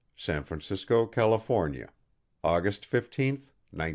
San Francisco, California, August fifteenth, 1916.